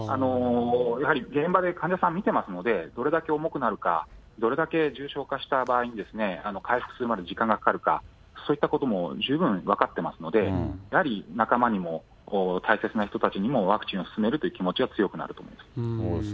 やはり現場で患者さん診てますので、どれだけ重くなるか、どれだけ重症化した場合に回復するのに時間がかかるか、そういったことも十分分かってますので、やはり仲間にも大切な人たちにも、ワクチンを勧めるという気持ちは強くなると思います。